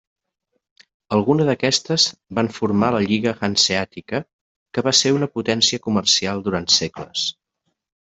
Algunes d'aquestes van formar la lliga Hanseàtica, que va ser una potència comercial durant segles.